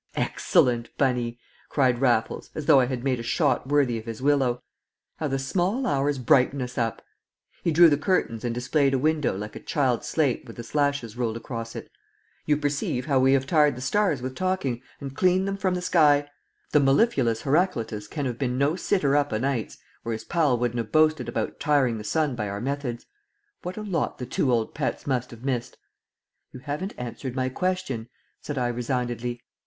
"Excellent, Bunny!" cried Raffles, as though I had made a shot worthy of his willow. "How the small hours brighten us up!" He drew the curtains and displayed a window like a child's slate with the sashes ruled across it. "You perceive how we have tired the stars with talking, and cleaned them from the sky! The mellifluous Heraclitus can have been no sitter up o' nights, or his pal wouldn't have boasted about tiring the sun by our methods. What a lot the two old pets must have missed!" "You haven't answered my question," said I resignedly.